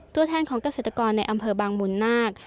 ตัวแทนของเกษตรกรในอำเภอบางมูลนาค